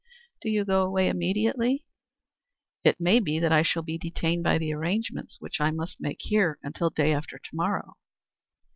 "Do you go away immediately?" "It may be that I shall be detained by the arrangements which I must make here until day after to morrow."